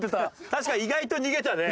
確かに意外と逃げたね。